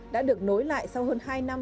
đã được nối lại sau hơn hai năm